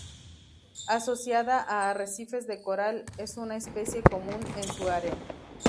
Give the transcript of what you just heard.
Asociada a arrecifes de coral, es una especie común en su área.